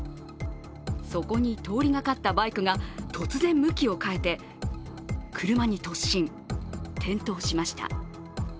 そこに通りかかったバイクが突然、向きを変えて車に突進、転倒しました。